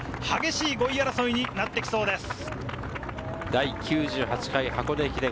激しい５位争いになってきそうで